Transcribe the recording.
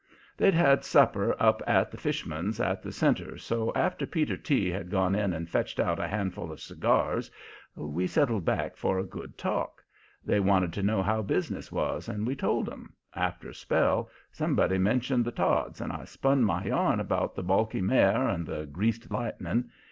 They'd had supper up at the fish man's at the Centre, so after Peter T. had gone in and fetched out a handful of cigars, we settled back for a good talk. They wanted to know how business was and we told 'em. After a spell somebody mentioned the Todds and I spun my yarn about the balky mare and the Greased Lightning.